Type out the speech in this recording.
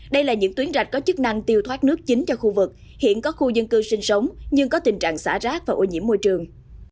đây là những tuyến rạch có chức năng tiêu thoát nước chính cho khu vực hiện có khu dân cư sinh sống nhưng có tình trạng xả rác và ô nhiễm môi trường